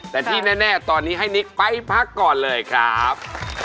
แต่ที่แน่ตอนนี้ให้นิกไปพักก่อนเลยครับ